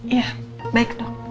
iya baik dok